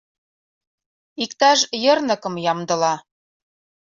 — Иктаж йырныкым ямдыла...